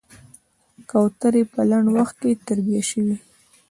کوترې په لنډ وخت کې تربيه شوې.